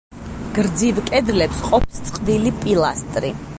გრძივ კედლებს ყოფს წყვილი პილასტრი.